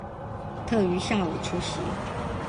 特於下午出席